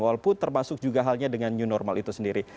walaupun termasuk juga halnya dengan new normal itu sendiri